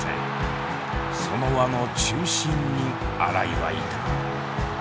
その輪の中心に新井はいた。